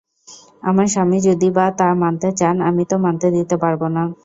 আমার স্বামী যদি বা তা মানতে চান আমি তো মানতে দিতে পারব না।